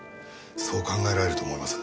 そう考えられると思います。